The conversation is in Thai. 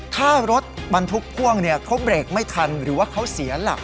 ถ้ารถบรรทุกพ่วงเขาเบรกไม่ทันหรือว่าเขาเสียหลัก